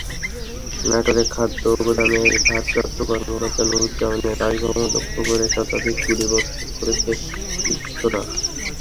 নাটোরে খাদ্যগুদামের ভারপ্রাপ্ত কর্মকর্তা নূরুজ্জামানের বাসভবন লক্ষ্য করে শতাধিক গুলিবর্ষণ করেছে দুর্বৃত্তরা।